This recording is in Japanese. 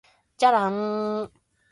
じゃらんーーーーー